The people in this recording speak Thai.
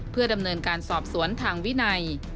เพื่อดำเนินการสอบสวนทางวินัย